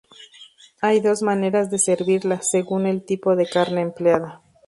Hay dos maneras de servirla, según el tipo de carne empleada.